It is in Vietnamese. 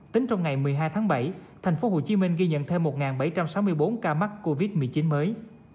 tính trong ngày một mươi hai tháng bảy tp hcm ghi nhận thêm một bảy trăm sáu mươi bốn ca mắc covid một mươi chín mới